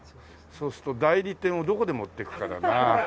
そうすると代理店をどこでもっていくかだなあ。